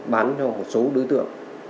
bán cho một số đối tượng